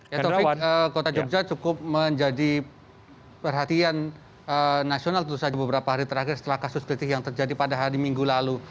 ya taufik kota jogja cukup menjadi perhatian nasional tentu saja beberapa hari terakhir setelah kasus kritik yang terjadi pada hari minggu lalu